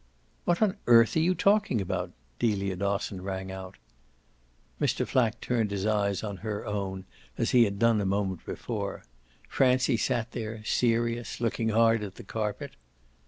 "What on earth are you talking about?" Delia Dosson rang out. Mr. Flack turned his eyes on her own as he had done a moment before; Francie sat there serious, looking hard at the carpet.